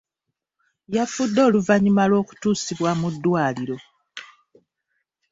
Yafudde oluvannyuma lw'okutuusibwa mu ddwaliro.